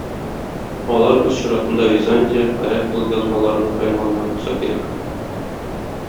Алар үз чиратында Византия, гарәп елъязмаларына таянганнар булса кирәк.